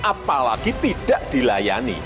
apalagi tidak dilayani